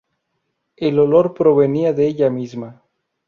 El olor provenía de ella misma.